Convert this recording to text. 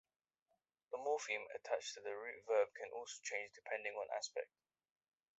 The morpheme attached to the root verb can also change depending on aspect.